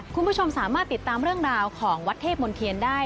คุณผู้ชมสามารถติดตามเรื่องราวของวัดเทพมนเทียนได้